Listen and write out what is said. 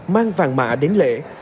mang vàng mạ đến lễ